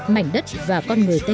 mảnh đất và con người tên là